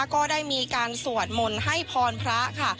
ก็ได้มีการสวดมนต์ให้พรพระค่ะ